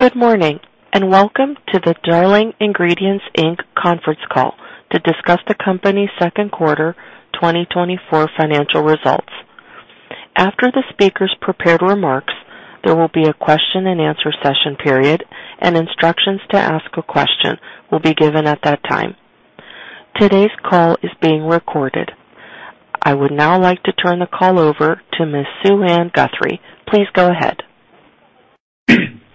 Good morning, and welcome to the Darling Ingredients, Inc. conference call to discuss the company's second quarter 2024 financial results. After the speaker's prepared remarks, there will be a Q&A session period, and instructions to ask a question will be given at that time. Today's call is being recorded. I would now like to turn the call over to Ms. Suann Guthrie. Please go ahead.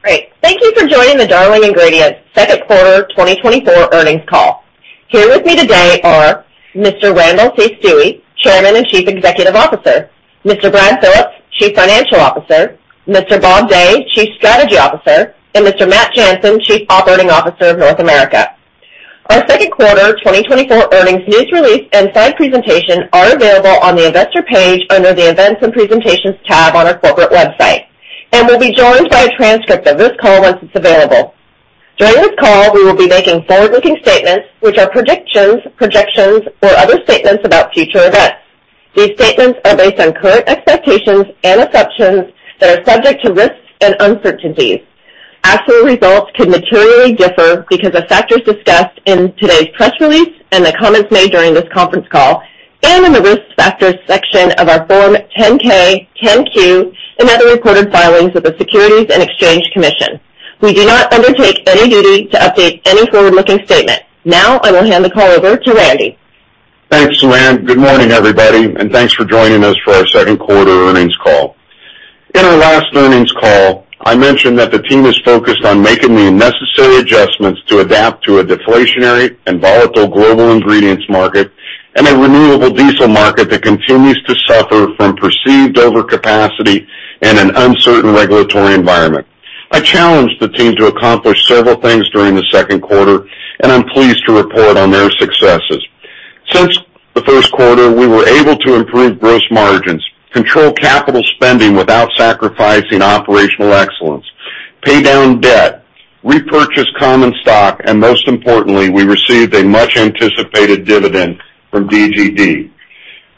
Great. Thank you for joining the Darling Ingredients second quarter 2024 earnings call. Here with me today are Mr. Randall C. Stuewe, Chairman and Chief Executive Officer, Mr. Brad Phillips, Chief Financial Officer, Mr. Bob Day, Chief Strategy Officer, and Mr. Matt Jansen, Chief Operating Officer of North America. Our second quarter 2024 earnings news release and slide presentation are available on the Investor page under the Events and Presentations tab on our corporate website and will be joined by a transcript of this call once it's available. During this call, we will be making forward-looking statements, which are predictions, projections, or other statements about future events. These statements are based on current expectations and assumptions that are subject to risks and uncertainties. Actual results could materially differ because of factors discussed in today's press release and the comments made during this conference call, and in the Risk Factors section of our Form 10-K, 10-Q, and other recorded filings with the Securities and Exchange Commission. We do not undertake any duty to update any forward-looking statement. Now, I will hand the call over to Randy. Thanks, Suann. Good morning, everybody, and thanks for joining us for our second quarter earnings call. In our last earnings call, I mentioned that the team is focused on making the necessary adjustments to adapt to a deflationary and volatile global ingredients market and a renewable diesel market that continues to suffer from perceived overcapacity and an uncertain regulatory environment. I challenged the team to accomplish several things during the second quarter, and I'm pleased to report on their successes. Since the first quarter, we were able to improve gross margins, control capital spending without sacrificing operational excellence, pay down debt, repurchase common stock, and most importantly, we received a much-anticipated dividend from DGD.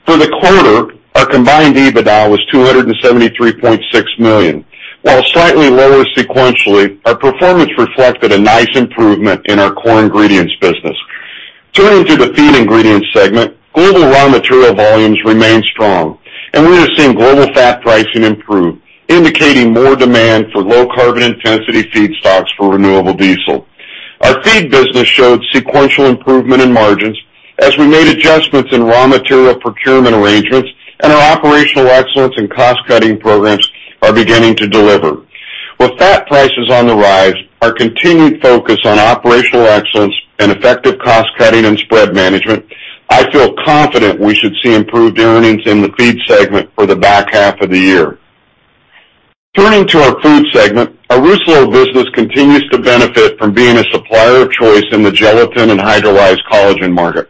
For the quarter, our combined EBITDA was $273.6 million. While slightly lower sequentially, our performance reflected a nice improvement in our core ingredients business. Turning to the feed ingredients segment, global raw material volumes remain strong, and we are seeing global fat pricing improve, indicating more demand for low carbon intensity feedstocks for renewable diesel. Our feed business showed sequential improvement in margins as we made adjustments in raw material procurement arrangements and our operational excellence and cost-cutting programs are beginning to deliver. With fat prices on the rise, our continued focus on operational excellence and effective cost cutting and spread management, I feel confident we should see improved earnings in the feed segment for the back half of the year. Turning to our food segment, our Rousselot business continues to benefit from being a supplier of choice in the gelatin and hydrolyzed collagen market.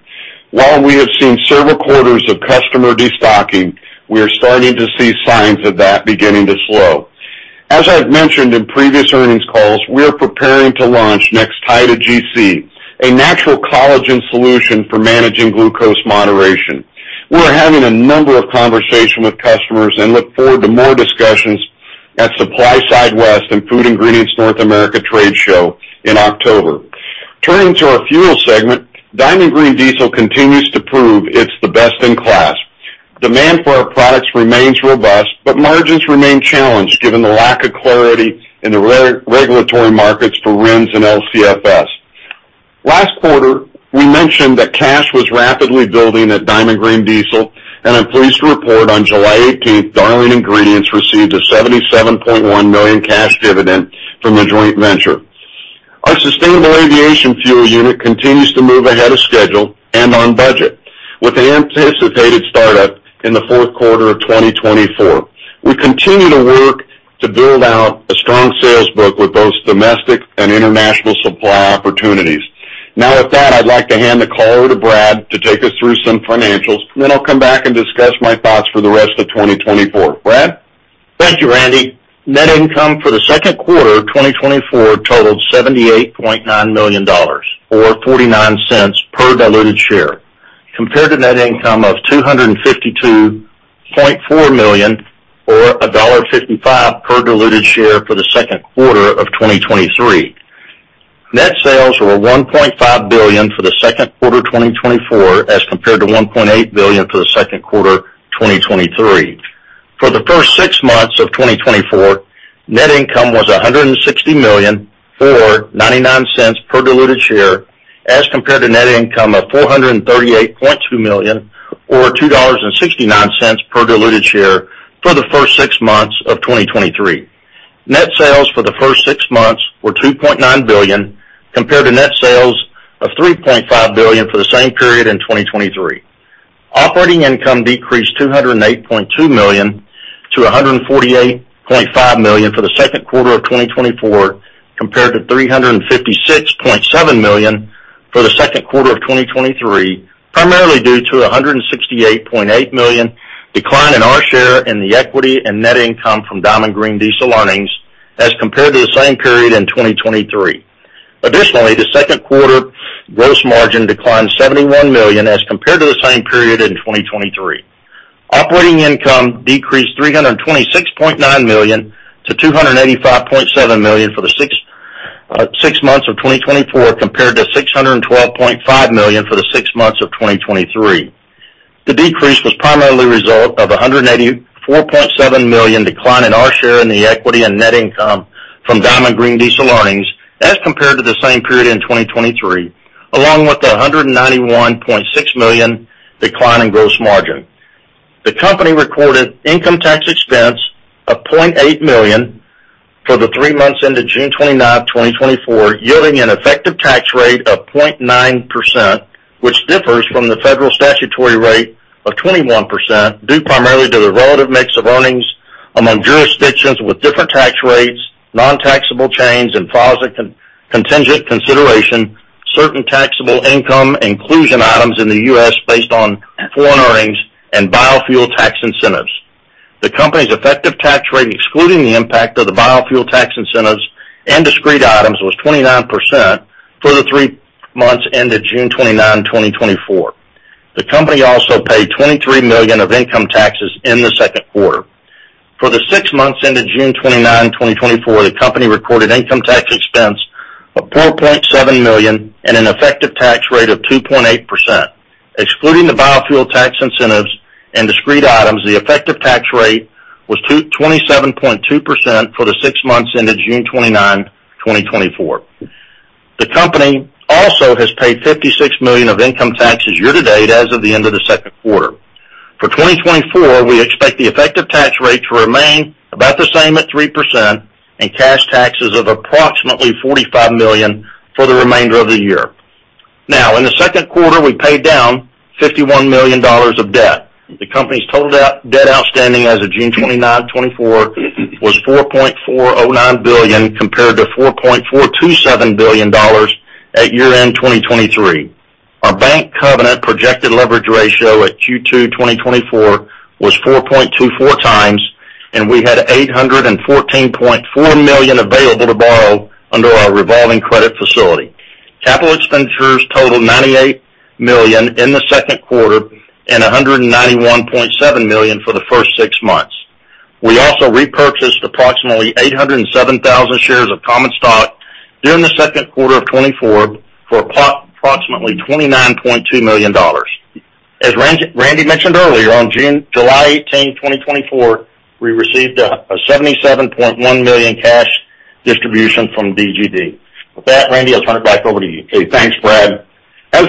While we have seen several quarters of customer destocking, we are starting to see signs of that beginning to slow. As I've mentioned in previous earnings calls, we are preparing to launch Nextida GC, a natural collagen solution for managing glucose moderation. We are having a number of conversations with customers and look forward to more discussions at SupplySide West and Food Ingredients North America Trade Show in October. Turning to our fuel segment, Diamond Green Diesel continues to prove it's the best-in-class. Demand for our products remains robust, but margins remain challenged given the lack of clarity in the regulatory markets for RINs and LCFS. Last quarter, we mentioned that cash was rapidly building at Diamond Green Diesel, and I'm pleased to report on 18 July, Darling Ingredients received a $77.1 million cash dividend from the joint venture. Our sustainable aviation fuel unit continues to move ahead of schedule and on budget, with the anticipated startup in the fourth quarter of 2024. We continue to work to build out a strong sales book with both domestic and international supply opportunities. Now, with that, I'd like to hand the call over to Brad to take us through some financials. Then I'll come back and discuss my thoughts for the rest of 2024. Brad? Thank you, Randy. Net income for the second quarter of 2024 totaled $78.9 million, or $0.49 per diluted share, compared to net income of $252.4 million or $1.55 per diluted share for the second quarter of 2023. Net sales were $1.5 billion for the second quarter of 2024, as compared to $1.8 billion for the second quarter of 2023. For the first six months of 2024, net income was $160 million, or $0.99 per diluted share, as compared to net income of $438.2 million, or $2.69 per diluted share for the first six months of 2023. Net sales for the first six months were $2.9 billion, compared to net sales of $3.5 billion for the same period in 2023. Operating income decreased $208.2 million to $148.5 million for the second quarter of 2024, compared to $356.7 million for the second quarter of 2023, primarily due to a $168.8 million decline in our share in the equity and net income from Diamond Green Diesel earnings as compared to the same period in 2023. Additionally, the second quarter gross margin declined $71 million as compared to the same period in 2023. Operating income decreased $326.9 million to $285.7 million for the six months of 2024, compared to $612.5 million for the six months of 2023. The decrease was primarily a result of a $184.7 million decline in our share in the equity and net income from Diamond Green Diesel earnings, as compared to the same period in 2023, along with a $191.6 million decline in gross margin. The company recorded income tax expense of $0.8 million for the three months ended 29 June 2024, yielding an effective tax rate of 0.9%, which differs from the federal statutory rate of 21% due primarily to the relative mix of earnings among jurisdictions with different tax rates, non-taxable gains, and financial contingent consideration, certain taxable income inclusion items in the U.S. based on foreign earnings and biofuel tax incentives. The company's effective tax rate, excluding the impact of the biofuel tax incentives and discrete items, was 29% for the three months ended 29, June, 2024. The company also paid $23 million of income taxes in the second quarter. For the six months ended 29, June, 2024, the company recorded income tax expense of $4.7 million and an effective tax rate of 2.8%. Excluding the biofuel tax incentives and discrete items, the effective tax rate was 27.2% for the six months ended 29, June 2024. The company also has paid $56 million of income taxes year-to-date as of the end of the second quarter. For 2024, we expect the effective tax rate to remain about the same at 3% and cash taxes of approximately $45 million for the remainder of the year. Now, in the second quarter, we paid down $51 million of debt. The company's total outstanding debt as of 29, June 2024, was $4.409 billion, compared to $4.427 billion at year-end 2023. Our bank covenant projected leverage ratio at Q2 2024 was 4.24 times, and we had $814.4 million available to borrow under our revolving credit facility. Capital expenditures totaled $98 million in the second quarter and $191.7 million for the first six months. We also repurchased approximately 807,000 shares of common stock during the second quarter of 2024 for approximately $29.2 million. As Randy mentioned earlier, on July 18, 2024, we received a $77.1 million cash distribution from DGD. With that, Randy, I'll turn it back over to you. Okay, thanks, Brad. As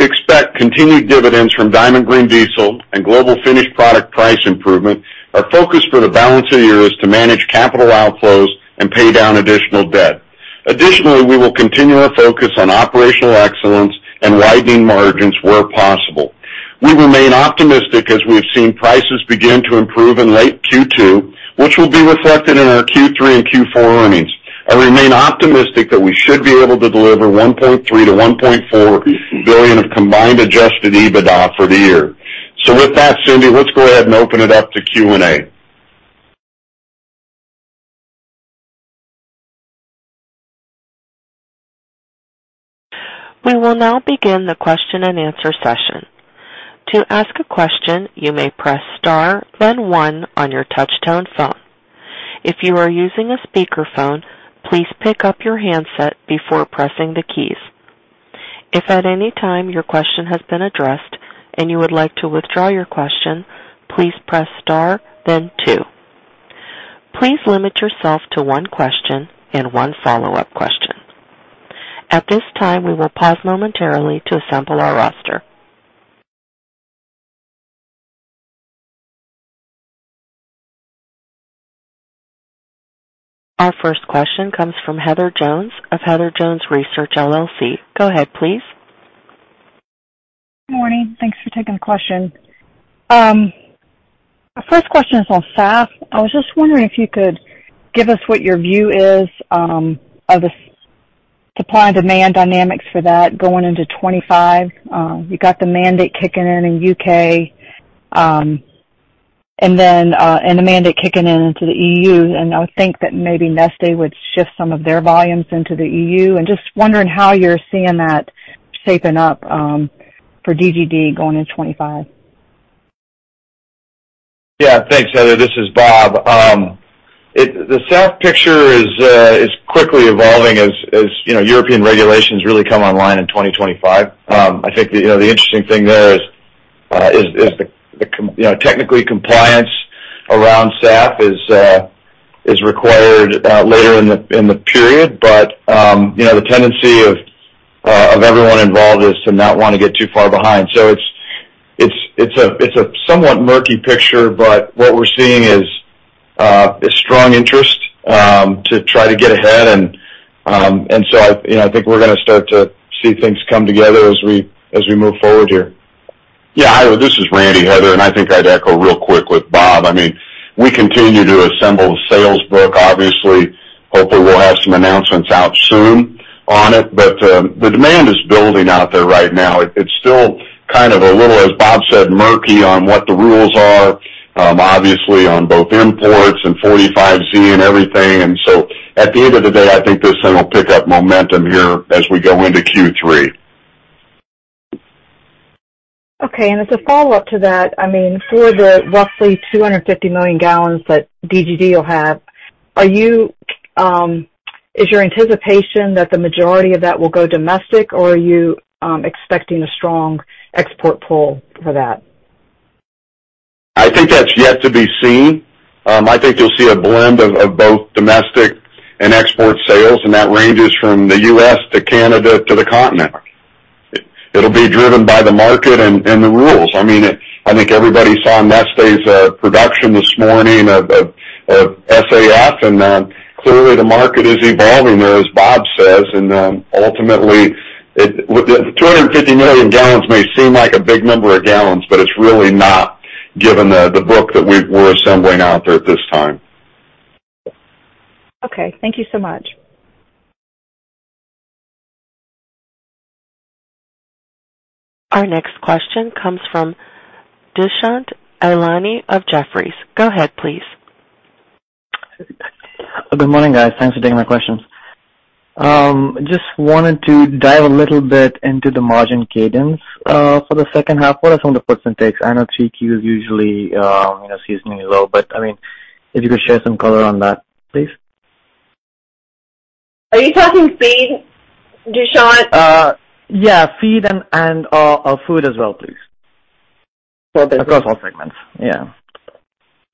we expect continued dividends from Diamond Green Diesel and global finished product price improvement, our focus for the balance of the year is to manage capital outflows and pay down additional debt. Additionally, we will continue our focus on operational excellence and widening margins where possible. We remain optimistic as we have seen prices begin to improve in late Q2, which will be reflected in our Q3 and Q4 earnings. I remain optimistic that we should be able to deliver $1.3 billion-$1.4 billion of combined adjusted EBITDA for the year. So with that, Cindy, let's go ahead and open it up to Q&A. We will now begin the Q&A session. To ask a question, you may press star, then one on your touchtone phone. If you are using a speakerphone, please pick up your handset before pressing the keys. If at any time your question has been addressed and you would like to withdraw your question, please press star, then two. Please limit yourself to one question and one follow-up question. At this time, we will pause momentarily to assemble our roster. Our first question comes from Heather Jones of Heather Jones Research LLC. Go ahead, please. Good morning. Thanks for taking the question. My first question is on SAF. I was just wondering if you could give us what your view is of the supply and demand dynamics for that going into 25. You got the mandate kicking in in U.K., and then, and the mandate kicking in into the E.U., and I would think that maybe Neste would shift some of their volumes into the E.U. And just wondering how you're seeing that shaping up for DGD going in 25. Yeah. Thanks, Heather. This is Bob. The SAF picture is quickly evolving as, you know, European regulations really come online in 2025. I think, you know, the interesting thing there is technically, compliance around SAF is required later in the period, but, you know, the tendency of everyone involved is to not want to get too far behind. So it's a somewhat murky picture, but what we're seeing is a strong interest to try to get ahead. And so, you know, I think we're gonna start to see things come together as we move forward here. Yeah, hi, this is Randy, Heather, and I think I'd echo real quick with Bob. I mean, we continue to assemble the sales book, obviously. Hopefully, we'll have some announcements out soon on it, but the demand is building out there right now. It's still kind of a little, as Bob said, murky on what the rules are, obviously on both imports and 45Z and everything. And so at the end of the day, I think this thing will pick up momentum here as we go into Q3. Okay, and as a follow-up to that, I mean, for the roughly 250 million gallons that DGD will have, is your anticipation that the majority of that will go domestic, or are you expecting a strong export pull for that? I think that's yet to be seen. I think you'll see a blend of both domestic and export sales, and that ranges from the U.S. to Canada to the continent. It'll be driven by the market and the rules. I mean, I think everybody saw Neste's production this morning of SAF, and clearly, the market is evolving there, as Bob says, and ultimately, it, with the 250 million gallons, may seem like a big number of gallons, but it's really not, given the book that we're assembling out there at this time. Okay, thank you so much. Our next question comes from Dushyant Ailani of Jefferies. Go ahead, please. Good morning, guys. Thanks for taking my questions. Just wanted to dive a little bit into the margin cadence for the second half. What are some of the puts and takes? I know three Q is usually, you know, seasonally low, but, I mean, if you could share some color on that, please. Are you talking feed, Dushyant? Yeah, feed and food as well, please. For business. Across all segments. Yeah.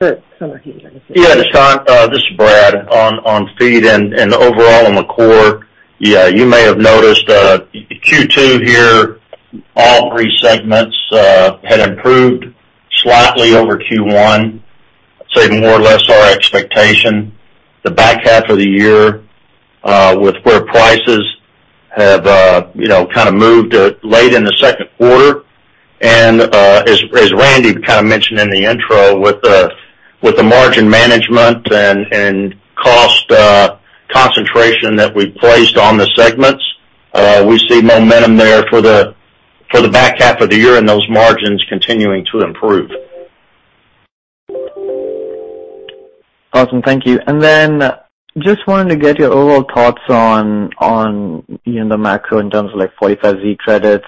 For summer heat. Yeah, Dushyant, this is Brad. On feed and overall on the core, yeah, you may have noticed, Q2 here, all three segments had improved slightly over Q1, saving more or less our expectation. The back half of the year, with where prices have, you know, kind of moved, late in the second quarter. As Randy kind of mentioned in the intro, with the margin management and cost concentration that we've placed on the segments, we see momentum there for the back half of the year, and those margins continuing to improve. Awesome. Thank you. And then just wanted to get your overall thoughts on in the macro in terms of, like, 45Z credits.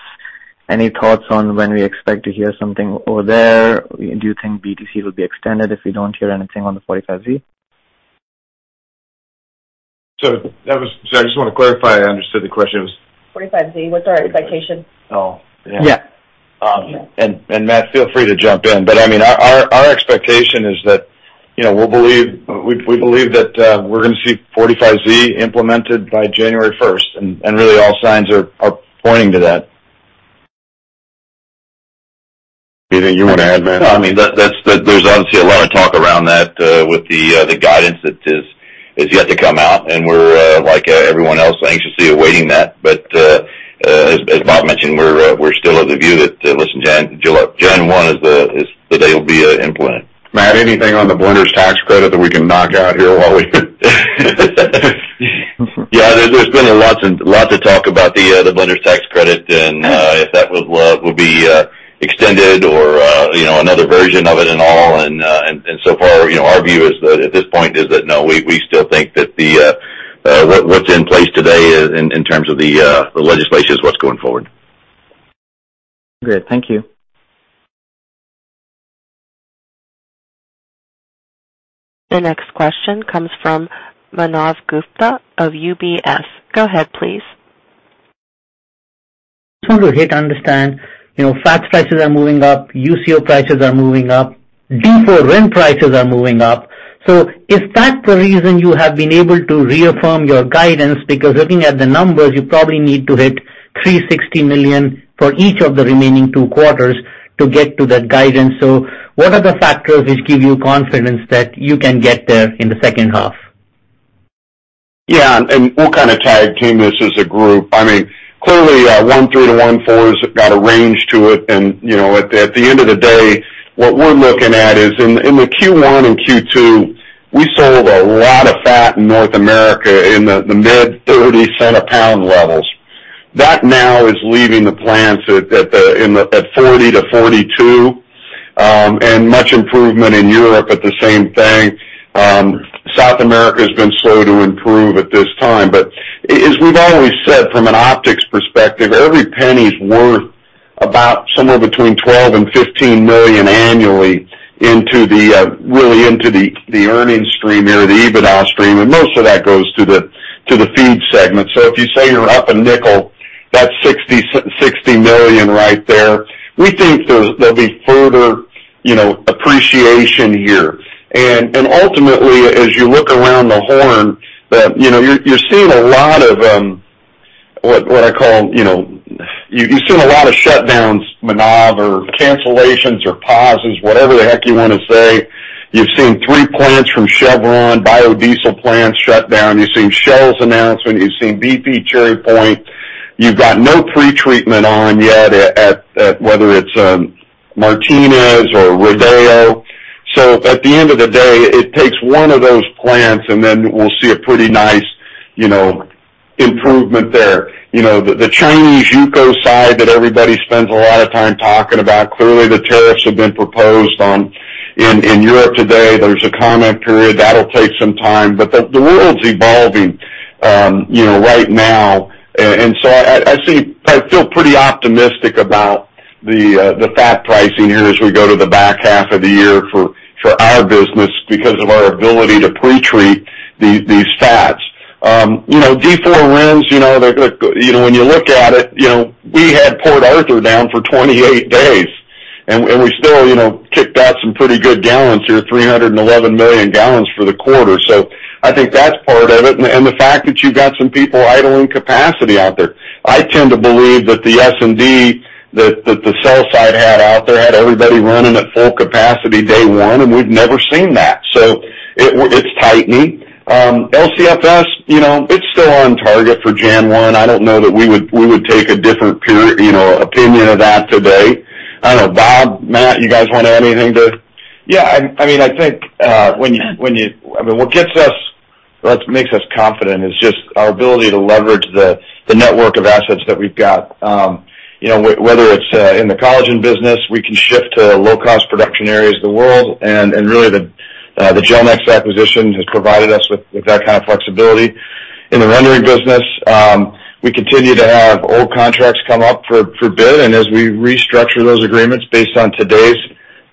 Any thoughts on when we expect to hear something over there? Do you think BTC will be extended if we don't hear anything on the 45Z? So I just want to clarify, I understood the question was? 45Z, what's our expectation? Oh, yeah. Yeah. And, Matt, feel free to jump in. But, I mean, our expectation is that, you know, we'll believe—we believe that, we're gonna see 45Z implemented by January first, and really, all signs are pointing to that. Anything you want to add, Matt? No, I mean, that's, there's obviously a lot of talk around that, with the guidance that is yet to come out, and we're, like everyone else, anxiously awaiting that. But, as Bob mentioned, we're still of the view that, listen, January 1 is the day will be implemented. Matt, anything on the Blenders Tax Credit that we can knock out here while we? Yeah, there's been a lot to talk about the Blenders Tax Credit and if that would be extended or, you know, another version of it and all. And so far, you know, our view is that at this point is that, no, we still think that what's in place today in terms of the legislation is what's going forward. Great. Thank you. The next question comes from Manav Gupta of UBS. Go ahead, please. I just want to understand, you know, fat prices are moving up, UCO prices are moving up, D4 RIN prices are moving up. So is that the reason you have been able to reaffirm your guidance? Because looking at the numbers, you probably need to hit $360 million for each of the remaining two quarters to get to that guidance. So what are the factors which give you confidence that you can get there in the second half? Yeah, and we'll kind of tag team this as a group. I mean, clearly, 1.3 to 1.4 has got a range to it, and, you know, at the end of the day, what we're looking at is in the Q1 and Q2, we sold a lot of fat in North America in the mid-30-cent-a-pound levels. That now is leaving the plants at 40 to 42, and much improvement in Europe at the same thing. South America has been slow to improve at this time, but as we've always said, from an optics perspective, every penny is worth about somewhere between $12 million and $15 million annually into the really into the earnings stream or the EBITDA stream, and most of that goes to the feed segment. So if you say you're up a nickel, that's $60 million right there. We think there'll be further, you know, appreciation here. And ultimately, as you look around the horn, you know, you're seeing a lot of what I call, you know, shutdowns, Manav, or cancellations or pauses, whatever the heck you want to say. You've seen three plants from Chevron, biodiesel plants shut down. You've seen Shell's announcement, you've seen BP Cherry Point. You've got no pretreatment on yet at whether it's Martinez or Rodeo. So at the end of the day, it takes one of those plants, and then we'll see a pretty nice, you know, improvement there. You know, the Chinese UCO side that everybody spends a lot of time talking about, clearly the tariffs have been proposed on-... In Europe today, there's a comment period that'll take some time, but the world's evolving, you know, right now. And so I see, I feel pretty optimistic about the fat pricing here as we go to the back half of the year for our business because of our ability to pre-treat these fats. You know, D4 RINs, you know, they're good. You know, when you look at it, you know, we had Port Arthur down for 28 days, and we still, you know, kicked out some pretty good gallons here, 311 million gallons for the quarter. So I think that's part of it, and the fact that you've got some people idling capacity out there. I tend to believe that the S&D that the sell side had out there had everybody running at full capacity day one, and we've never seen that, so it's tightening. LCFS, you know, it's still on target for January 1. I don't know that we would take a different perspective, you know, opinion of that today. I don't know. Bob, Matt, you guys want to add anything to? Yeah, I mean, I think when you. I mean, what gets us, what makes us confident is just our ability to leverage the network of assets that we've got. You know, whether it's in the collagen business, we can shift to low-cost production areas of the world, and really, the Gelnex acquisition has provided us with that kind of flexibility. In the rendering business, we continue to have old contracts come up for, for bid, and as we restructure those agreements based on today's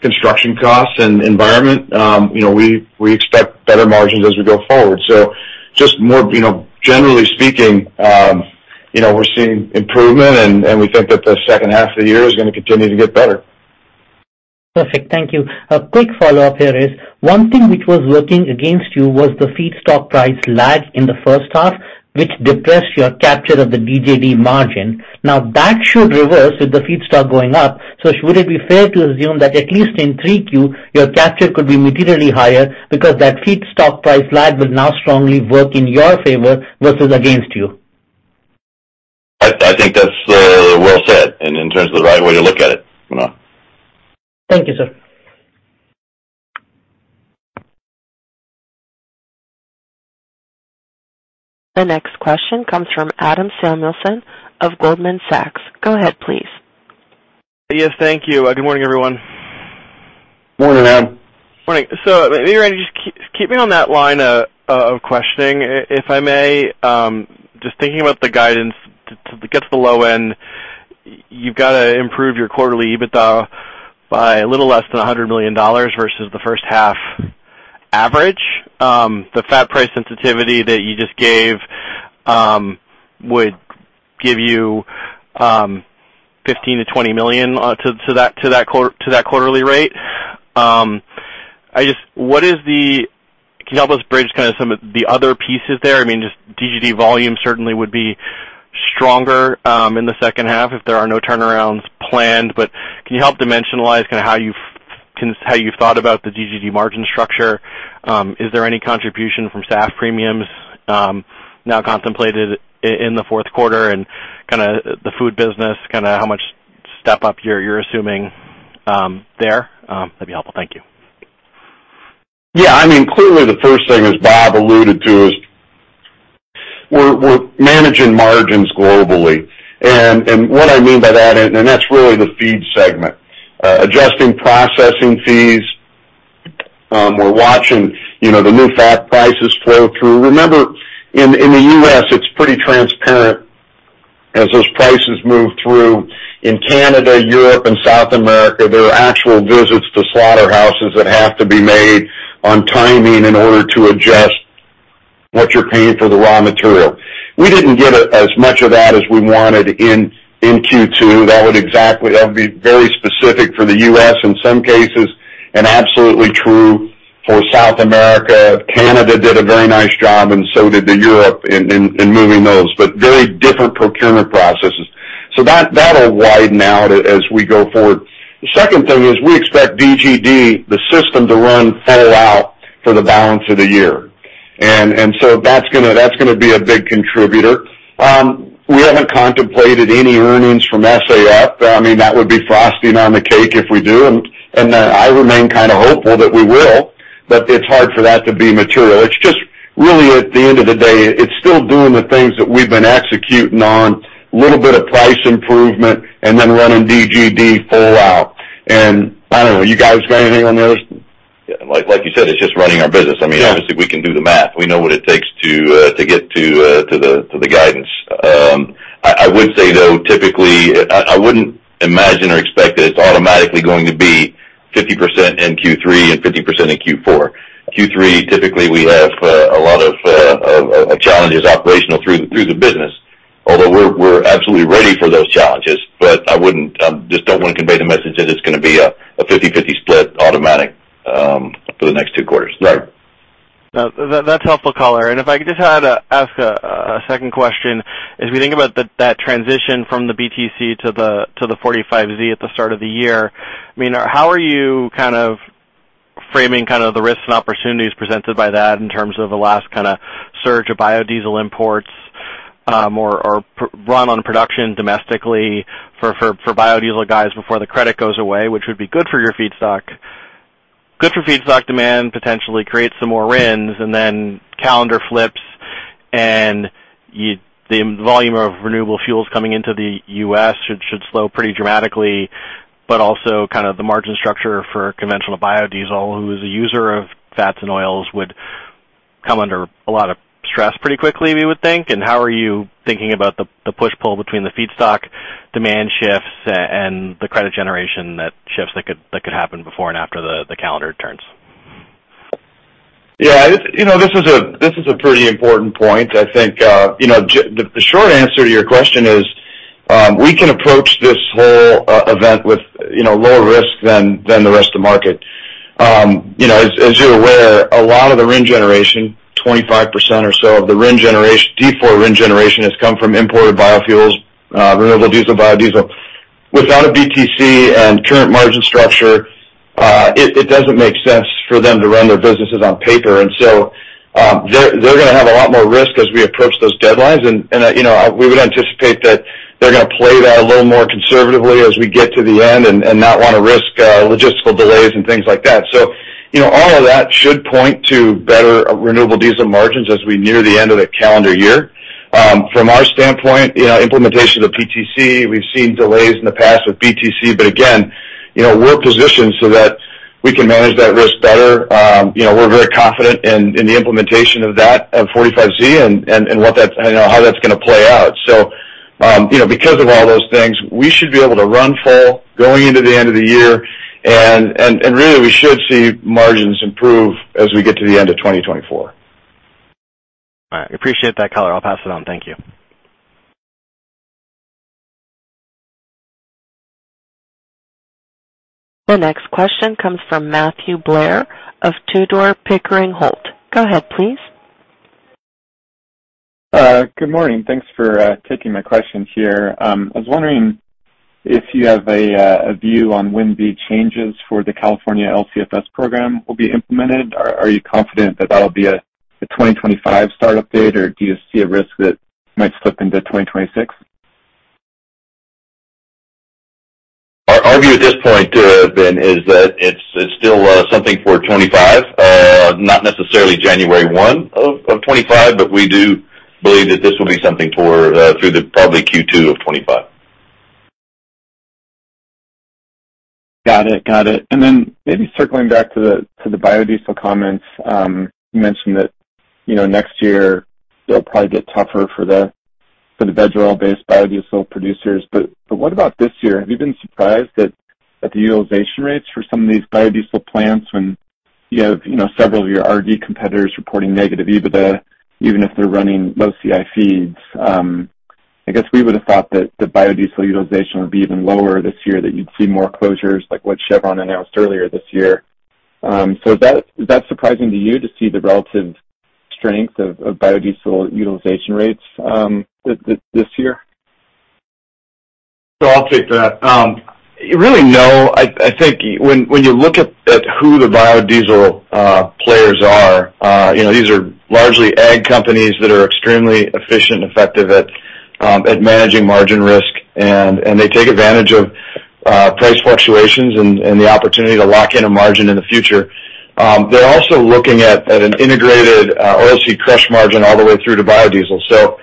construction costs and environment, you know, we, we expect better margins as we go forward. So just more, you know, generally speaking, you know, we're seeing improvement and, and we think that the second half of the year is gonna continue to get better. Perfect. Thank you. A quick follow-up here is, one thing which was working against you was the feedstock price lag in the first half, which depressed your capture of the DGD margin. Now, that should reverse with the feedstock going up. So should it be fair to assume that at least in 3Q, your capture could be materially higher because that feedstock price lag will now strongly work in your favor versus against you? I think that's well said, and in terms of the right way to look at it, you know? Thank you, sir. The next question comes from Adam Samuelson of Goldman Sachs. Go ahead, please. Yes, thank you. Good morning, everyone. Morning, Adam. Morning. So just keeping on that line of questioning, if I may, just thinking about the guidance to get to the low end, you've got to improve your quarterly EBITDA by a little less than $100 million versus the first half average. The fat price sensitivity that you just gave would give you $15-$20 million to that quarterly rate. I just what is the. Can you help us bridge kind of some of the other pieces there? I mean, just DGD volume certainly would be stronger in the second half if there are no turnarounds planned. But can you help dimensionalize kind of how you've thought about the DGD margin structure? Is there any contribution from SAF premiums now contemplated in the fourth quarter? Kind of the food business, kind of how much step up you're assuming there? That'd be helpful. Thank you. Yeah, I mean, clearly, the first thing, as Bob alluded to, is we're managing margins globally. And what I mean by that, that's really the feed segment, adjusting processing fees. We're watching, you know, the new fat prices flow through. Remember, in the U.S., it's pretty transparent as those prices move through. In Canada, Europe, and South America, there are actual visits to slaughterhouses that have to be made on timing in order to adjust what you're paying for the raw material. We didn't get as much of that as we wanted in Q2. That would be very specific for the U.S. in some cases, and absolutely true for South America. Canada did a very nice job, and so did Europe in moving those, but very different procurement processes. So that, that'll widen out as we go forward. The second thing is we expect DGD, the system, to run full out for the balance of the year. And so that's gonna be a big contributor. We haven't contemplated any earnings from SAF. I mean, that would be frosting on the cake if we do, and I remain kind of hopeful that we will, but it's hard for that to be material. It's just really, at the end of the day, it's still doing the things that we've been executing on, little bit of price improvement, and then running DGD full out. And I don't know, you guys got anything on this? Yeah. Like you said, it's just running our business. Yeah. I mean, obviously, we can do the math. We know what it takes to get to the guidance. I would say, though, typically, I wouldn't imagine or expect that it's automatically going to be 50% in Q3 and 50% in Q4. Q3, typically, we have a lot of challenges operational through the business. Although we're absolutely ready for those challenges, but I wouldn't. I just don't want to convey the message that it's gonna be a 50/50 split automatic for the next two quarters. Right. That's helpful color. And if I could just add a second question. As we think about that transition from the BTC to the 45Z at the start of the year, I mean, how are you kind of framing the risks and opportunities presented by that in terms of the last kind of surge of biodiesel imports, or run on production domestically for biodiesel guys before the credit goes away, which would be good for your feedstock? Good for feedstock demand, potentially creates some more RINs, and then calendar flips And you, the volume of renewable fuels coming into the U.S. should slow pretty dramatically, but also kind of the margin structure for conventional biodiesel, who is a user of fats and oils, would come under a lot of stress pretty quickly, we would think. And how are you thinking about the push-pull between the feedstock demand shifts and the credit generation that shifts that could happen before and after the calendar turns? Yeah, you know, this is a, this is a pretty important point. I think, you know, the short answer to your question is, we can approach this whole, event with, you know, lower risk than, than the rest of the market. You know, as, as you're aware, a lot of the RIN generation, 25% or so of the RIN generation, default RIN generation has come from imported biofuels, renewable diesel, biodiesel. Without a BTC and current margin structure, it, it doesn't make sense for them to run their businesses on paper. And so, they're, they're gonna have a lot more risk as we approach those deadlines. And you know, we would anticipate that they're gonna play that a little more conservatively as we get to the end and not wanna risk logistical delays and things like that. So, you know, all of that should point to better renewable diesel margins as we near the end of the calendar year. From our standpoint, you know, implementation of the PTC, we've seen delays in the past with PTC, but again, you know, we're positioned so that we can manage that risk better. You know, we're very confident in the implementation of that, of 45Z and what that, you know, how that's gonna play out. You know, because of all those things, we should be able to run full going into the end of the year, and really, we should see margins improve as we get to the end of 2024. All right. Appreciate that color. I'll pass it on. Thank you. The next question comes from Matthew Blair of Tudor, Pickering, Holt. Go ahead, please. Good morning. Thanks for taking my question here. I was wondering if you have a view on when the changes for the California LCFS program will be implemented. Are you confident that that'll be a 2025 startup date, or do you see a risk that might slip into 2026? Our view at this point, Ben, is that it's still something for 2025, not necessarily January 1 of 2025, but we do believe that this will be something for through the probably Q2 of 2025. Got it. Got it. And then maybe circling back to the biodiesel comments. You mentioned that, you know, next year it'll probably get tougher for the veg oil-based biodiesel producers. But what about this year? Have you been surprised at the utilization rates for some of these biodiesel plants when you have, you know, several of your RD competitors reporting negative EBITDA, even if they're running low CI feeds? I guess we would've thought that the biodiesel utilization would be even lower this year, that you'd see more closures, like what Chevron announced earlier this year. So is that surprising to you to see the relative strength of biodiesel utilization rates this year? So I'll take that. Really, no. I think when you look at who the biodiesel players are, you know, these are largely ag companies that are extremely efficient and effective at managing margin risk. And they take advantage of price fluctuations and the opportunity to lock in a margin in the future. They're also looking at an integrated oilseed crush margin all the way through to biodiesel. So,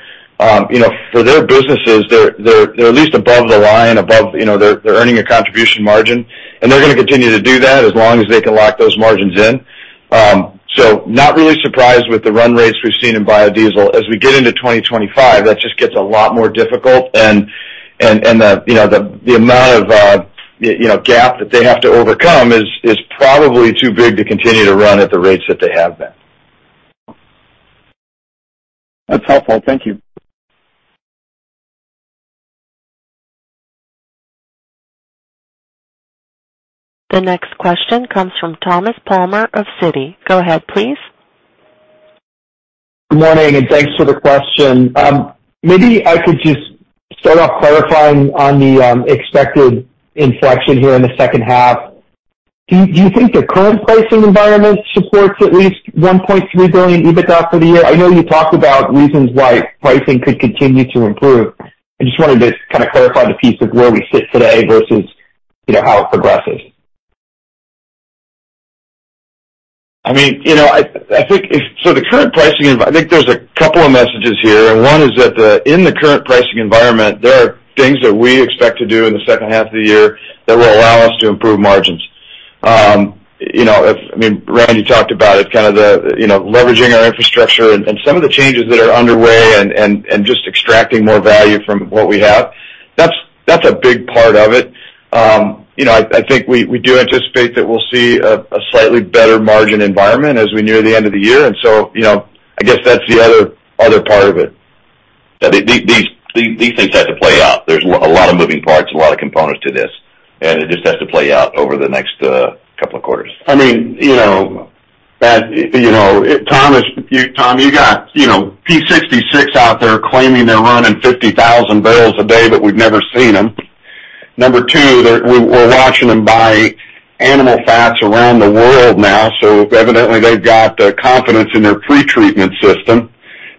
you know, for their businesses, they're at least above the line, above, you know, they're earning a contribution margin, and they're gonna continue to do that as long as they can lock those margins in. So not really surprised with the run rates we've seen in biodiesel. As we get into 2025, that just gets a lot more difficult and you know the amount of you know gap that they have to overcome is probably too big to continue to run at the rates that they have been. That's helpful. Thank you. The next question comes from Thomas Palmer of Citi. Go ahead, please. Good morning, and thanks for the question. Maybe I could just start off clarifying on the expected inflection here in the second half. Do you think the current pricing environment supports at least $1.3 billion EBITDA for the year? I know you talked about reasons why pricing could continue to improve. I just wanted to kind of clarify the piece of where we sit today versus, you know, how it progresses. I mean, you know, I think if. So the current pricing environment, I think there's a couple of messages here, and one is that, in the current pricing environment, there are things that we expect to do in the second half of the year that will allow us to improve margins. You know, if, I mean, Randy, you talked about it, kind of the, you know, leveraging our infrastructure and some of the changes that are underway and just extracting more value from what we have. That's a big part of it. You know, I think we do anticipate that we'll see a slightly better margin environment as we near the end of the year, and so, you know, I guess that's the other part of it. Yeah, these things have to play out. There's a lot of moving parts, a lot of components to this, and it just has to play out over the next couple of quarters. I mean, you know, that, you know, Thomas, you Tom, you got, you know, P66 out there claiming they're running 50,000 barrels a day, but we've never seen them. Number two, they're we're, we're watching them buy animal fats around the world now, so evidently they've got the confidence in their pre-treatment system.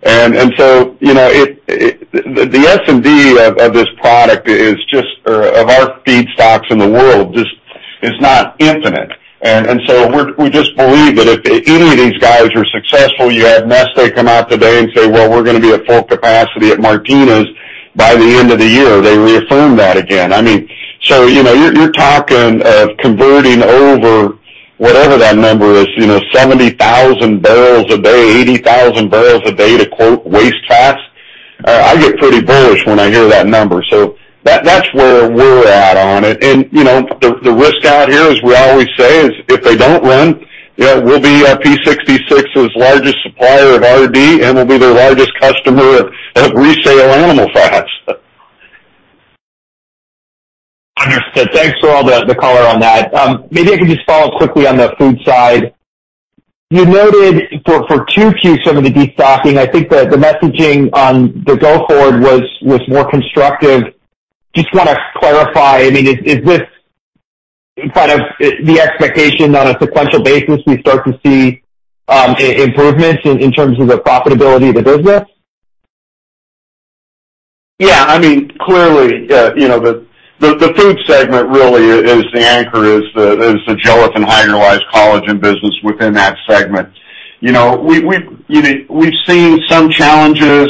And, and so, you know, it, it. The, the S&D of, of this product is just, of our feedstocks in the world, just- is not infinite. And, and so we're we just believe that if, if any of these guys are successful, you had Neste come out today and say, "Well, we're gonna be at full capacity at Martinez by the end of the year." They reaffirmed that again. I mean, so, you know, you're talking of converting over whatever that number is, you know, 70,000 barrels a day, 80,000 barrels a day to quote, waste fats. I get pretty bullish when I hear that number. So that's where we're at on it. And, you know, the risk out here, as we always say, is if they don't run, yeah, we'll be P66's largest supplier of RD, and we'll be their largest customer of resale animal fats. Understood. Thanks for all the color on that. Maybe I could just follow up quickly on the food side. You noted for Q2, some of the destocking. I think the messaging on the go forward was more constructive. Just wanna clarify, I mean, is this kind of the expectation on a sequential basis, we start to see improvements in terms of the profitability of the business? Yeah, I mean, clearly, you know, the food segment really is the anchor, is the gelatin hydrolyzed collagen business within that segment. You know, we've seen some challenges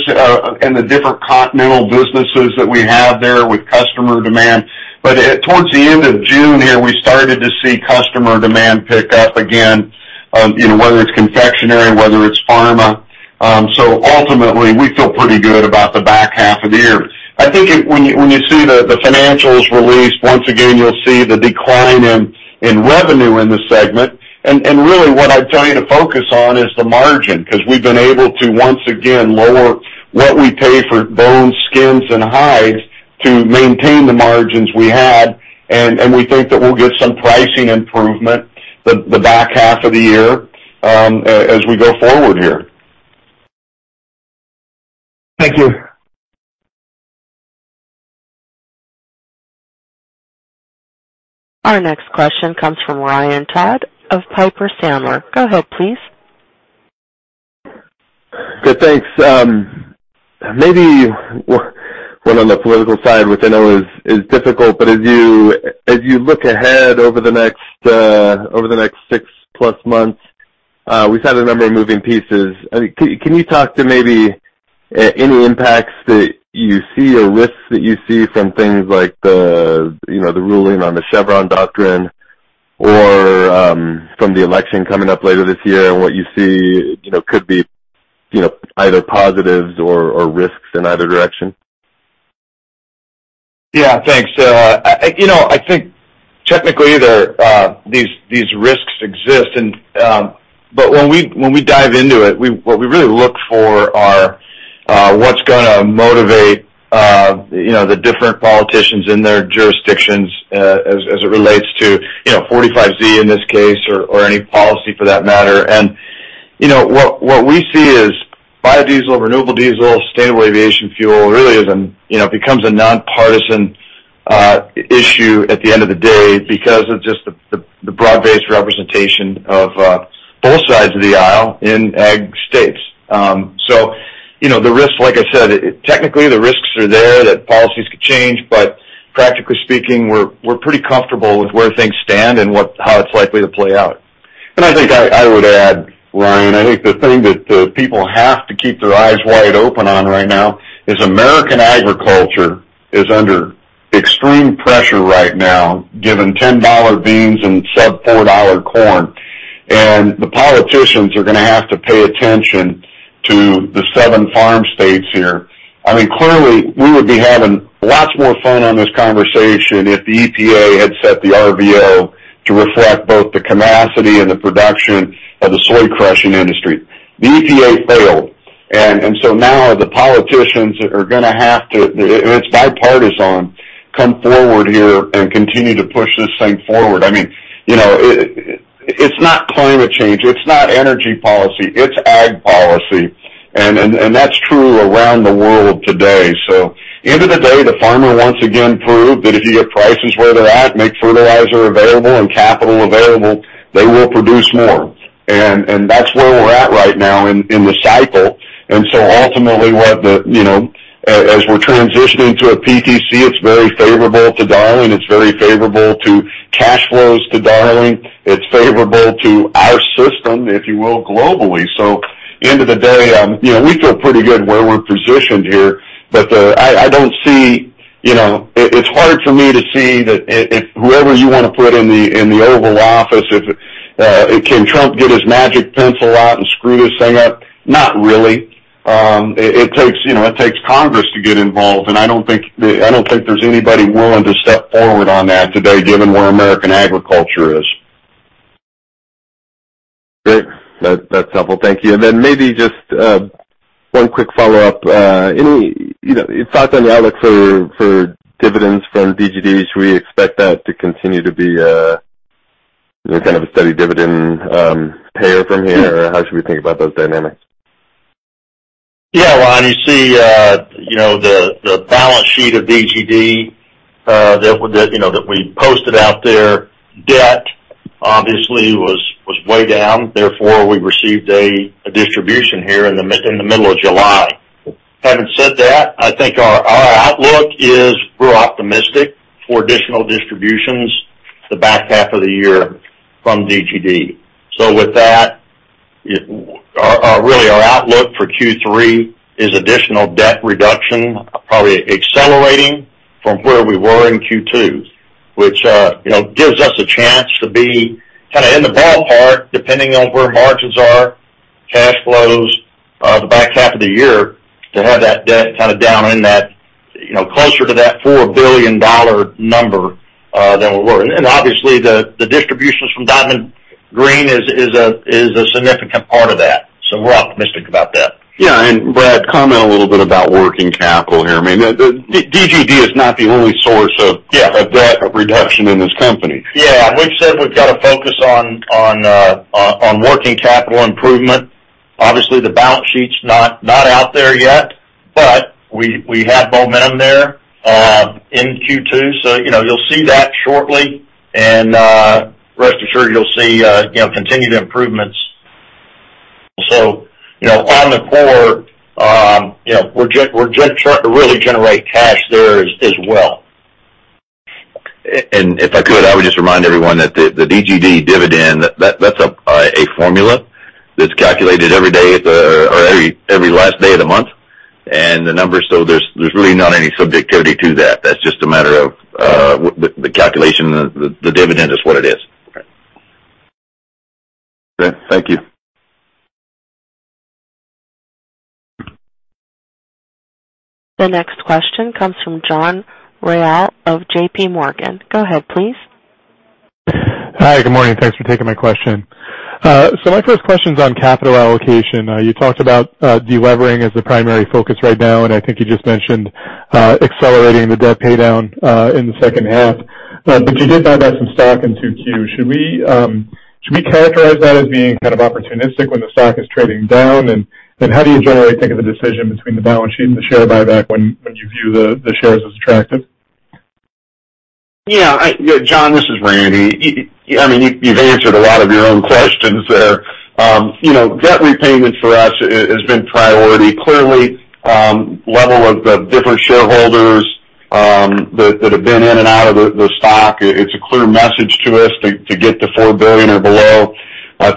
in the different continental businesses that we have there with customer demand. But towards the end of June here, we started to see customer demand pick up again, you know, whether it's confectionery, whether it's pharma. So ultimately, we feel pretty good about the back half of the year. I think when you see the financials released, once again, you'll see the decline in revenue in the segment. Really, what I'd tell you to focus on is the margin, 'cause we've been able to, once again, lower what we pay for bones, skins, and hides to maintain the margins we had, and we think that we'll get some pricing improvement the back half of the year, as we go forward here. Thank you. Our next question comes from Ryan Todd of Piper Sandler. Go ahead, please. Good, thanks. Maybe well, on the political side, which I know is, is difficult, but as you, as you look ahead over the next, over the next six-plus months, we've had a number of moving pieces. I mean, can you talk to maybe any impacts that you see or risks that you see from things like the, you know, the ruling on the Chevron doctrine or, from the election coming up later this year, and what you see, you know, could be, you know, either positives or, or risks in either direction? Yeah, thanks. You know, I think technically, these risks exist, but when we dive into it, what we really look for are what's gonna motivate you know the different politicians in their jurisdictions as it relates to you know 45Z in this case or any policy for that matter. You know, what we see is biodiesel, renewable diesel, sustainable aviation fuel really is an you know becomes a nonpartisan issue at the end of the day because of just the broad-based representation of both sides of the aisle in ag states. So, you know, the risks, like I said, technically, the risks are there that policies could change, but practically speaking, we're pretty comfortable with where things stand and how it's likely to play out. And I think I would add, Ryan, I think the thing that the people have to keep their eyes wide open on right now is American agriculture is under extreme pressure right now, given $10 beans and sub-$4 corn. The politicians are gonna have to pay attention to the seven farm states here. I mean, clearly, we would be having lots more fun on this conversation if the EPA had set the RVO to reflect both the capacity and the production of the soy crushing industry. The EPA failed, and so now the politicians are gonna have to, and it's bipartisan, come forward here and continue to push this thing forward. I mean, you know, it's not climate change, it's not energy policy, it's ag policy, and that's true around the world today. So end of the day, the farmer once again proved that if you get prices where they're at, make fertilizer available and capital available, they will produce more. And that's where we're at right now in the cycle. And so ultimately, what the, you know, as we're transitioning to a PTC, it's very favorable to Darling. It's very favorable to cash flows to Darling. It's favorable to our system, if you will, globally. So end of the day, you know, we feel pretty good where we're positioned here. But, I don't see, you know. It's hard for me to see that if whoever you wanna put in the Oval Office, if can Trump get his magic pencil out and screw this thing up? Not really. It takes, you know, it takes Congress to get involved, and I don't think there's anybody willing to step forward on that today, given where American agriculture is. Great. That's helpful. Thank you. And then maybe just one quick follow-up. Any, you know, thoughts on the outlook for dividends from DGD? Should we expect that to continue to be kind of a steady dividend payer from here, or how should we think about those dynamics? Yeah, well, you see, you know, the balance sheet of DGD, that, that, you know, that we posted out there obviously was way down. Therefore, we received a distribution here in the middle of July. Having said that, I think our outlook is we're optimistic for additional distributions the back half of the year from DGD. So with that, our really our outlook for Q3 is additional debt reduction, probably accelerating from where we were in Q2, which, you know, gives us a chance to be kind of in the ballpark, depending on where margins are, cash flows, the back half of the year, to have that debt kind of down in that, you know, closer to that $4 billion number, than we were. And obviously, the distributions from Diamond Green is a significant part of that. So we're optimistic about that. Yeah, and Brad, comment a little bit about working capital here. I mean, the DGD is not the only source of Yeah of debt reduction in this company. Yeah, we've said we've got to focus on working capital improvement. Obviously, the balance sheet's not out there yet, but we have momentum there in Q2. So, you know, you'll see that shortly, and rest assured, you'll see, you know, continued improvements. So, you know, on the core, you know, we're trying to really generate cash there as well. And if I could, I would just remind everyone that the DGD dividend, that's a formula that's calculated every last day of the month. And the numbers, so there's really not any subjectivity to that. That's just a matter of the calculation, the dividend is what it is. Great. Thank you. The next question comes from John Royal of J.P. Morgan. Go ahead, please. Hi, good morning. Thanks for taking my question. So my first question is on capital allocation. You talked about delevering as the primary focus right now, and I think you just mentioned accelerating the debt pay down in the second half. But you did buy back some stock in Q2. Should we characterize that as being kind of opportunistic when the stock is trading down? And how do you generally think of the decision between the balance sheet and the share buyback when you view the shares as attractive? Yeah, John, this is Randy. I mean, you've answered a lot of your own questions there. You know, debt repayments for us has been priority. Clearly, level of the different shareholders that have been in and out of the stock, it's a clear message to us to get to $4 billion or below.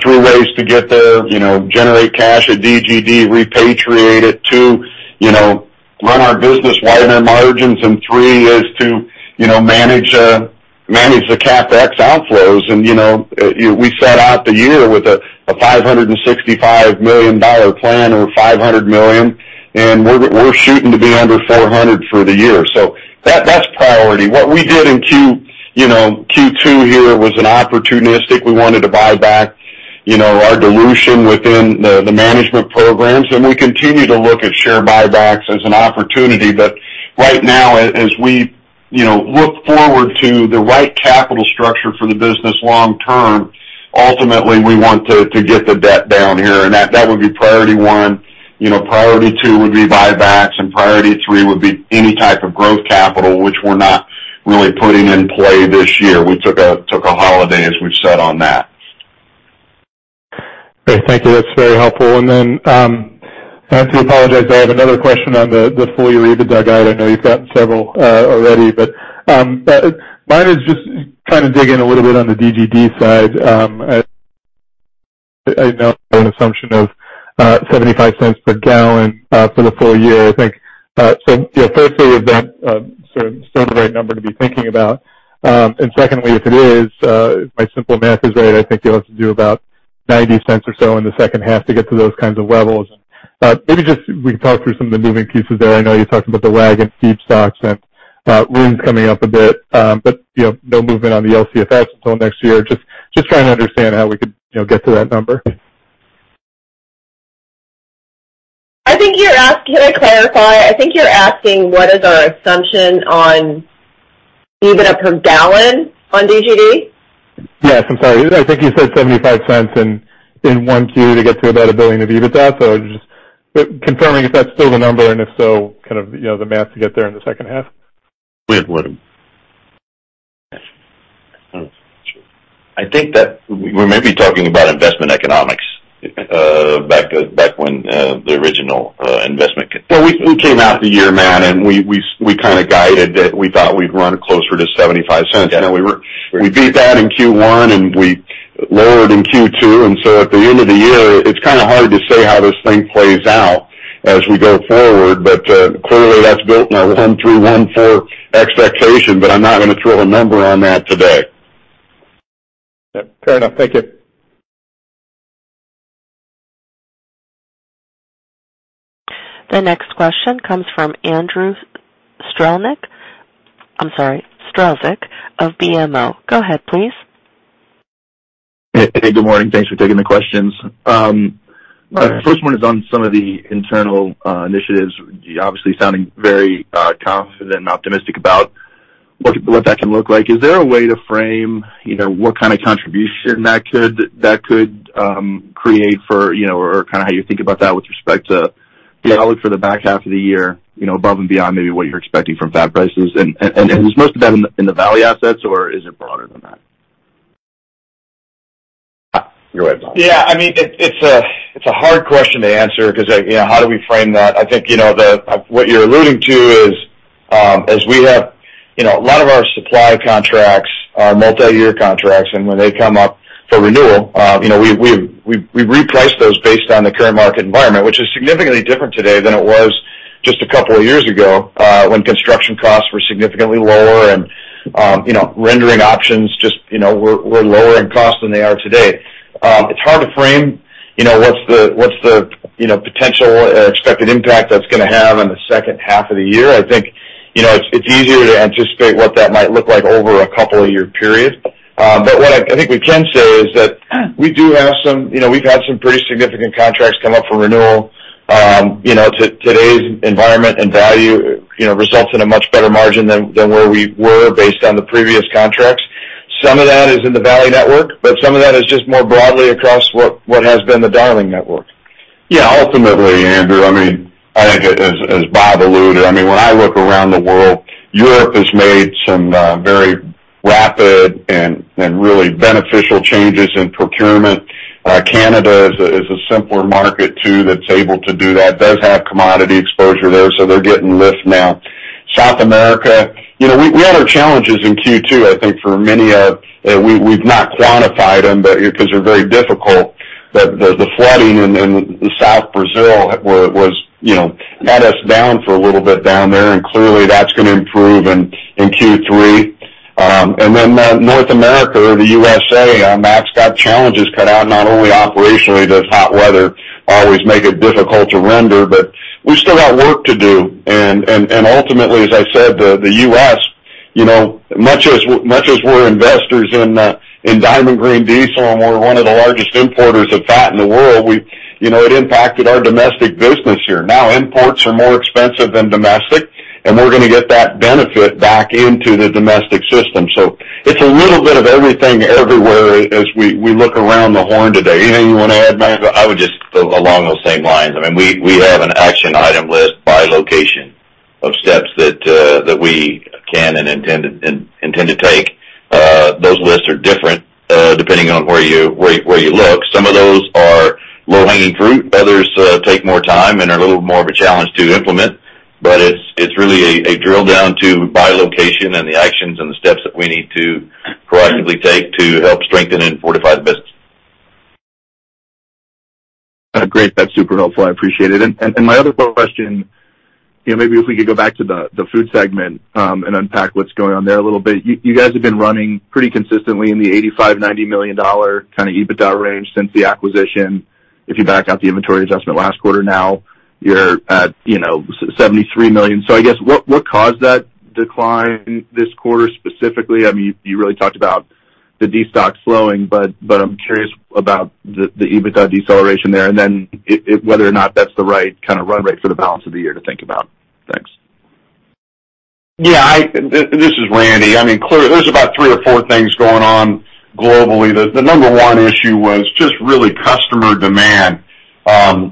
Three ways to get there, you know, generate cash at DGD, repatriate it. Two, you know, run our business, wider margins, and three is to, you know, manage the CapEx outflows. And, you know, we set out the year with a $565 million dollar plan or $500 million, and we're shooting to be under $400 for the year. So that's priority. What we did in Q, you know, Q2 here was an opportunistic. We wanted to buy back, you know, our dilution within the management programs, and we continue to look at share buybacks as an opportunity. But right now, as we, you know, look forward to the right capital structure for the business long term, ultimately, we want to get the debt down here, and that would be priority one. You know, priority two would be buybacks, and priority three would be any type of growth capital, which we're not really putting in play this year. We took a holiday, as we've said on that. Great, thank you. That's very helpful. And then, I have to apologize, I have another question on the full year EBITDA guide. I know you've gotten several already, but mine is just trying to dig in a little bit on the DGD side. I know an assumption of $0.75 per gallon for the full year. I think, so, you know, firstly, is that sort of the right number to be thinking about? And secondly, if it is, my simple math is right, I think you'll have to do about $0.90 or so in the second half to get to those kinds of levels. Maybe just we can talk through some of the moving pieces there. I know you talked about the ag deep stocks and RINs coming up a bit, but, you know, no movement on the LCFS until next year. Just trying to understand how we could, you know, get to that number. I think you're asking? Can I clarify? I think you're asking what is our assumption on EBITDA per gallon on DGD? Yes, I'm sorry. I think you said $0.75 in one Q to get to about $1 billion of EBITDA. So just confirming if that's still the number, and if so, kind of, you know, the math to get there in the second half. We have one. I think that we may be talking about investment economics, back when the original investment Well, we came out the year, Matt, and we kind of guided that we thought we'd run closer to $0.75. Yeah. We beat that in Q1, and we lowered in Q2, and so at the end of the year, it's kind of hard to say how this thing plays out as we go forward. But, clearly, that's built in our 1.3 to 1.4 expectation, but I'm not going to throw a number on that today. Yeah, fair enough. Thank you. The next question comes from Andrew Strelzik. I'm sorry, Strelzik of BMO. Go ahead, please. Hey, good morning. Thanks for taking the questions. My first one is on some of the internal initiatives. You're obviously sounding very confident and optimistic about what that can look like. Is there a way to frame, you know, what kind of contribution that could create for, you know, or kind of how you think about that with respect to- Yeah, I look for the back half of the year, you know, above and beyond maybe what you're expecting from fat prices. And is most of that in the Valley assets or is it broader than that? Go ahead, Bob. Yeah, I mean, it's a hard question to answer because, you know, how do we frame that? I think, you know, what you're alluding to is, as we have, you know, a lot of our supply contracts are multiyear contracts, and when they come up for renewal, you know, we've repriced those based on the current market environment, which is significantly different today than it was just a couple of years ago, when construction costs were significantly lower and, you know, rendering options just, you know, were lower in cost than they are today. It's hard to frame, you know, what's the potential expected impact that's gonna have on the second half of the year. I think, you know, it's easier to anticipate what that might look like over a couple of year period. But what I think we can say is that we do have some you know, we've had some pretty significant contracts come up for renewal. You know, today's environment and value, you know, results in a much better margin than where we were based on the previous contracts. Some of that is in the Valley network, but some of that is just more broadly across what has been the Darling network. Yeah, ultimately, Andrew, I mean, I think as Bob alluded, I mean, when I look around the world, Europe has made some very rapid and really beneficial changes in procurement. Canada is a simpler market too, that's able to do that. Does have commodity exposure there, so they're getting lift now. South America, you know, we had our challenges in Q2, I think, for many of. We've not quantified them, but because they're very difficult, but the flooding in southern Brazil was, you know, had us down for a little bit down there, and clearly, that's gonna improve in Q3. And then North America or the U.S., Matt's got challenges cut out, not only operationally, does hot weather always make it difficult to render, but we've still got work to do. And ultimately, as I said, the U.S., you know, much as we're investors in Diamond Green Diesel, and we're one of the largest importers of fat in the world, we, you know, it impacted our domestic business here. Now, imports are more expensive than domestic, and we're gonna get that benefit back into the domestic system. So it's a little bit of everything everywhere as we look around the horn today. Anything you wanna add, Matt? I would just go along those same lines. I mean, we have an action item list by location of steps that we can and intend to take. Those lists are different depending on where you look. Some of those are low-hanging fruit, others take more time and are a little more of a challenge to implement. But it's really a drill down to by location and the actions and the steps that we need to proactively take to help strengthen and fortify the business. Great. That's super helpful. I appreciate it. And my other question, you know, maybe if we could go back to the food segment and unpack what's going on there a little bit. You guys have been running pretty consistently in the $85-$90 million kind of EBITDA range since the acquisition. If you back out the inventory adjustment last quarter, now you're at, you know, $73 million. So I guess what caused that decline this quarter specifically? I mean, you really talked about the destock slowing, but I'm curious about the EBITDA deceleration there, and then whether or not that's the right kind of run rate for the balance of the year to think about. Thanks. Yeah, I this is Randy. I mean, clearly, there's about three or four things going on globally. The number one issue was just really customer demand.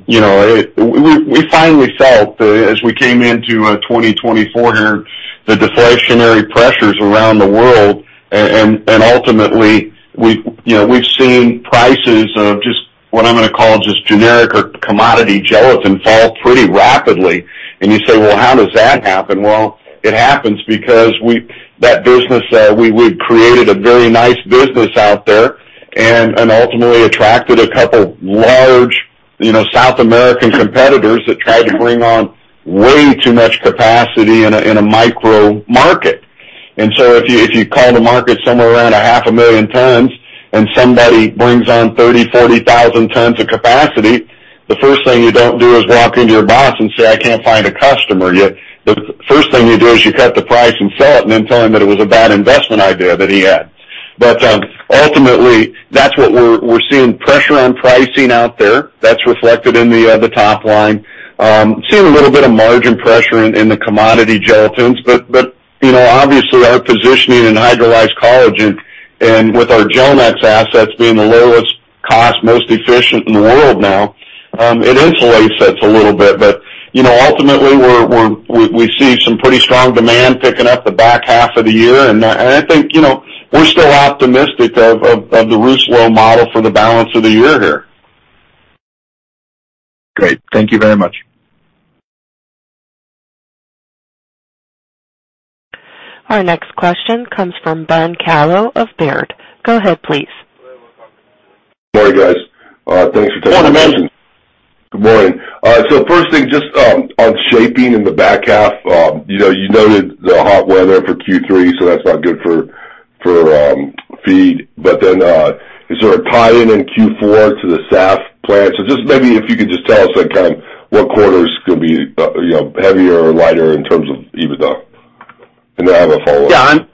You know, it we finally felt, as we came into 2024 here, the deflationary pressures around the world, and ultimately, we've, you know, we've seen prices of just what I'm gonna call just generic or commodity gelatin fall pretty rapidly. And you say, "Well, how does that happen?" Well, it happens because we that business, we created a very nice business out there and ultimately attracted a couple large, you know, South American competitors that tried to bring on way too much capacity in a micro market. If you call the market somewhere around 500,000 tons and somebody brings on 30,000-40,000 tons of capacity, the first thing you don't do is walk into your boss and say, "I can't find a customer yet." The first thing you do is you cut the price and sell it, and then tell him that it was a bad investment idea that he had. But, ultimately, that's what we're seeing pressure on pricing out there. That's reflected in the top line. Seeing a little bit of margin pressure in the commodity gelatins, but, you know, obviously, our positioning in hydrolyzed collagen and with our Gelnex assets being the lowest cost, most efficient in the world now, it insulates us a little bit. You know, ultimately, we see some pretty strong demand picking up in the back half of the year. And I think, you know, we're still optimistic of the Rousselot model for the balance of the year here. Great. Thank you very much. Our next question comes from Ben Kallo of Baird. Go ahead, please. Sorry, guys. Thanks for taking my question. Morning, Ben. Good morning. So first thing, just, on shaping in the back half, you know, you noted the hot weather for Q3, so that's not good for, for, feed. But then, is there a tie in in Q4 to the SAF plant? So just maybe if you could just tell us, like, kind of what quarter is gonna be, you know, heavier or lighter in terms of EBITDA? And then I have a follow-up. Yeah, and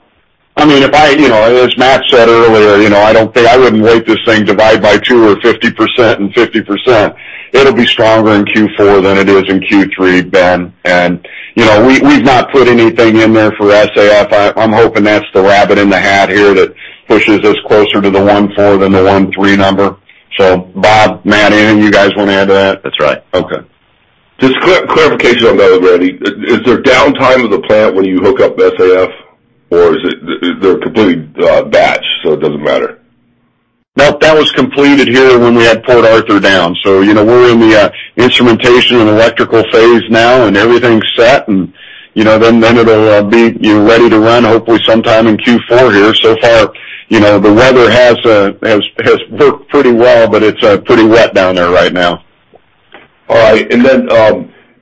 I mean, if I, you know, as Matt said earlier, you know, I don't think I wouldn't weight this thing divide by 2 or 50% and 50%. It'll be stronger in Q4 than it is in Q3, Ben, and you know, we, we've not put anything in there for SAF. I, I'm hoping that's the rabbit in the hat here that pushes us closer to the $1.4 than the $1.3 number. So Bob, Matt, Andrew, you guys want to add to that? That's right. Okay. Just clarification on the tie-in, is there downtime of the plant when you hook up SAF, or is it, they're completely batch, so it doesn't matter? No, that was completed here when we had Port Arthur down. So, you know, we're in the instrumentation and electrical phase now, and everything's set, and, you know, then it'll be, you know, ready to run, hopefully sometime in Q4 here. So far, you know, the weather has worked pretty well, but it's pretty wet down there right now. All right. And then,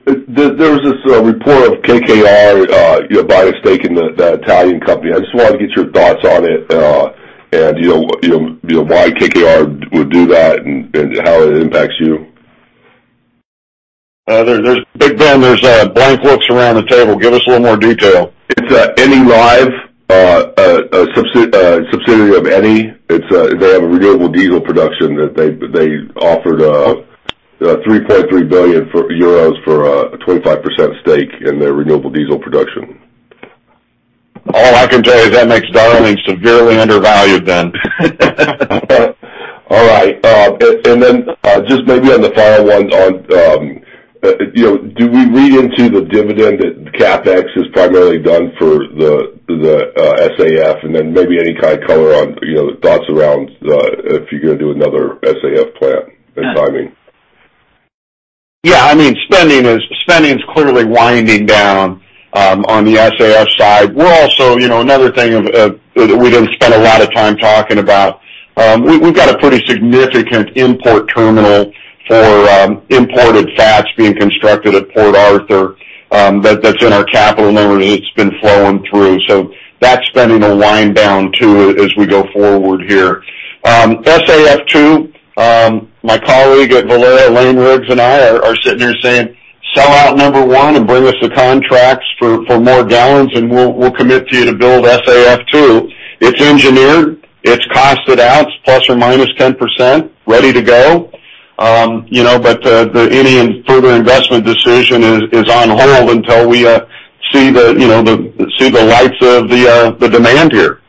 there was this report of KKR, you know, buying a stake in the, the Italian company. I just wanted to get your thoughts on it, and, you know, you know, you know, why KKR would do that and, and how it impacts you. There, there's Big Ben, there's blank looks around the table. Give us a little more detail. It's Enilive, a subsidiary of Eni. They have a renewable diesel production that they offered 3.3 billion euros for a 25% stake in their renewable diesel production. All I can tell you is that makes Darling severely undervalued then. All right. And then, just maybe on the final one on, you know, do we read into the dividend that CapEx is primarily done for the SAF, and then maybe any kind of color on, you know, thoughts around the, if you're gonna do another SAF plant and timing? Yeah, I mean, spending is clearly winding down on the SAF side. We're also, you know, another thing that we didn't spend a lot of time talking about, we've got a pretty significant import terminal for imported fats being constructed at Port Arthur, that's in our capital numbers, it's been flowing through. So that spending will wind down, too, as we go forward here. SAF two, my colleague at Valero, Lane Riggs, and I are sitting here saying, "Sell out number one and bring us the contracts for more gallons, and we'll commit to you to build SAF two." It's engineered, it's costed out, it's plus or minus 10%, ready to go. You know, but then any further investment decision is on hold until we see the lights of the demand here.